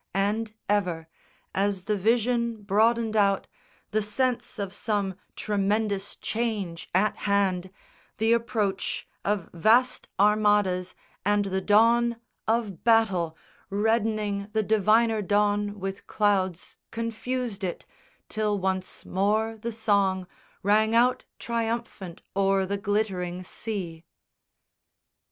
And ever, as the vision broadened out, The sense of some tremendous change at hand, The approach of vast Armadas and the dawn Of battle, reddening the diviner dawn With clouds, confused it, till once more the song Rang out triumphant o'er the glittering sea.